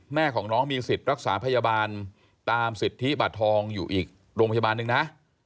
แม่ของน้องมีสิทธิ์รักษาพยาบาลตามสิทธิบัตรทองอยู่อีกโรงพยาบาลหนึ่งนะ